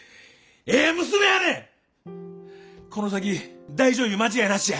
この先大女優間違いなしや。